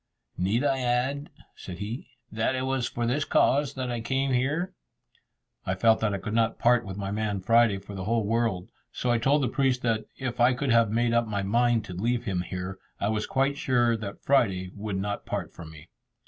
"Need I add," said he, "that it was for this cause that I came here?" I felt that I could not part with my man Friday for the whole world, so I told the priest that if I could have made up my mind to leave him here, I was quite sure that Friday would not part from me.